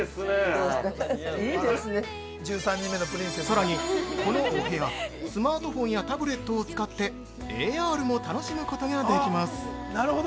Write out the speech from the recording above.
◆さらに、このお部屋スマートフォンやタブレットを使ってＡＲも楽しむことができます。